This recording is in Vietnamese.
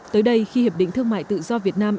tới đây khi hiệp định thương mại tự do việt nam